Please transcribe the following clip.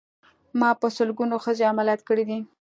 ما په سلګونو ښځې عمليات کړې دي.